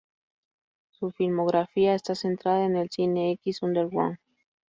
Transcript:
Su filmografía está centrada en el cine X underground.